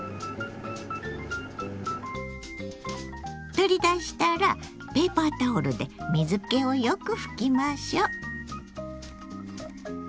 取り出したらペーパータオルで水けをよく拭きましょう。